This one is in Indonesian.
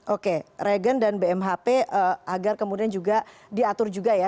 oke reagen dan bmhp agar kemudian juga diatur juga ya